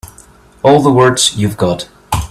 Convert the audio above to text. All the words you've got.